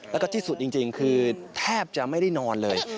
แล้วก็ที่สุดจริงคือแทบจะไม่ได้นอนเลย